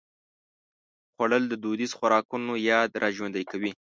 خوړل د دودیزو خوراکونو یاد راژوندي کوي